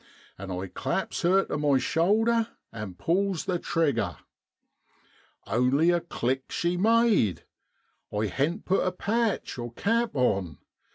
' and I claps her to my shoulder an' pulls the trigger. Only a click she made I hadn't put a patch (cap) on.